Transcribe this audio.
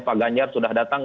pak ganjar sudah datang